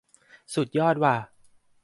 สุดยอดว่ะ